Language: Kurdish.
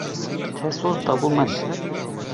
Te soz dabû min.